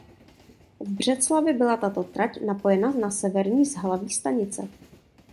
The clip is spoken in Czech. V Břeclavi byla tato trať napojena na severním zhlaví stanice.